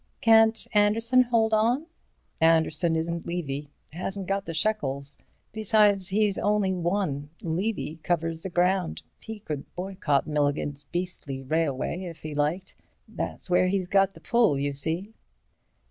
"Can't Anderson hold on?" "Anderson isn't Levy. Hasn't got the shekels. Besides, he's only one. Levy covers the ground—he could boycott Milligan's beastly railway if he liked. That's where he's got the pull, you see."